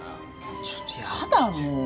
ちょっとやだもう。